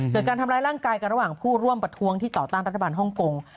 การทำร้ายร่างกายกันระหว่างผู้ร่วมประท้วงที่ต่อต้านรัฐบาลฮ่องกง